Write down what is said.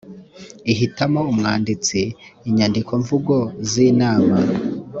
ihitamo umwanditsi inyandikomvugo z inama